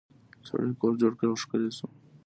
سړي کور جوړ کړ او ښکلی شو.